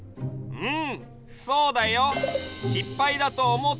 うん！